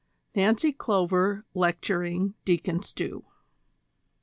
NAXCY CLOVER LECTURING DEACON STEW.